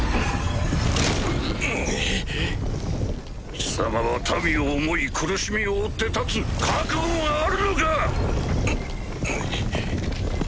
貴様は民を思い苦しみを負って立つ覚悟があるのか⁉うっ。